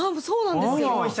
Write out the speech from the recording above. そうなんですよ。